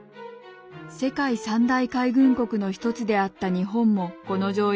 世界三大海軍国の一つであった日本もこの条約を批准。